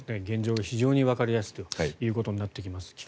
現状が非常にわかりやすいということになっています。